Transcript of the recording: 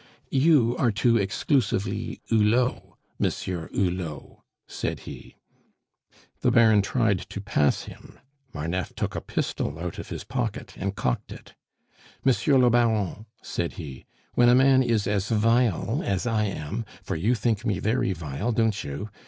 "You are too exclusively Hulot, Monsieur Hulot!" said he. The Baron tried to pass him, Marneffe took a pistol out of his pocket and cocked it. "Monsieur le Baron," said he, "when a man is as vile as I am for you think me very vile, don't you?